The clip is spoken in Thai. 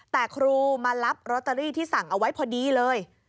แต่ครูมารับลอตเตอรี่ที่สั่งเอาไว้พอดีเลย